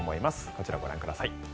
こちらをご覧ください。